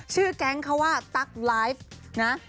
แก๊งเขาว่าตั๊กไลฟ์นะ